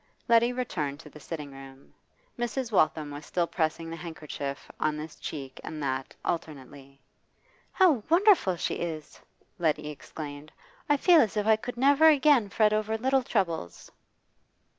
Letty returned to the sitting room; Mrs. Waltham was still pressing the handkerchief on this cheek and that alternately. 'How wonderful she is!' Letty exclaimed. 'I feel as if I could never again fret over little troubles.